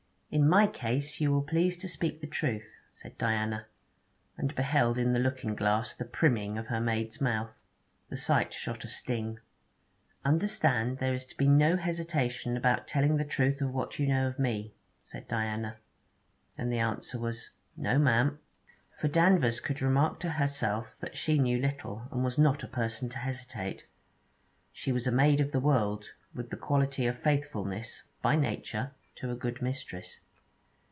'In my Case you will please to speak the truth,' said Diana, and beheld in the looking glass the primming of her maid's mouth. The sight shot a sting. 'Understand that there is to be no hesitation about telling the truth of what you know of me,' said Diana; and the answer was, 'No, ma'am.' For Danvers could remark to herself that she knew little, and was not a person to hesitate. She was a maid of the world, with the quality of faithfulness, by nature, to a good mistress.